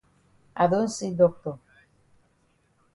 I don see doctor.